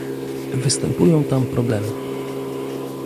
Występują tam problemy